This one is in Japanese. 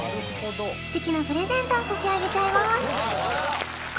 すてきなプレゼントを差し上げちゃいます